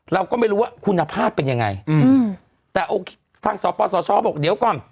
เราก็ไม่รู้ว่าคุณภาพเป็นยังไงอืมแต่โอเคทางสปสชบอกเดี๋ยวก่อน